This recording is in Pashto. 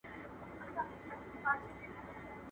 په سپکو سپکتيا، په درنو درنتيا.